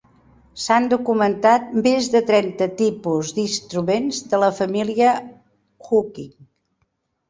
S'han documentat més de trenta tipus d'instruments de la família "huqin".